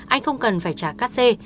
anh không cần phải trả cát xe